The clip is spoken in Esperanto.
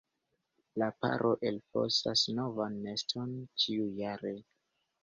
La paro elfosas novan neston ĉiujare.